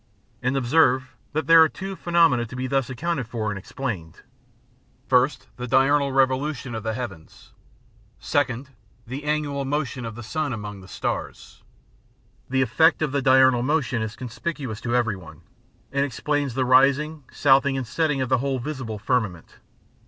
And observe that there are two phenomena to be thus accounted for and explained: first, the diurnal revolution of the heavens; second, the annual motion of the sun among the stars. The effect of the diurnal motion is conspicuous to every one, and explains the rising, southing, and setting of the whole visible firmament.